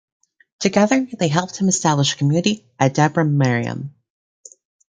Together they helped him establish a community at Debre Mariam.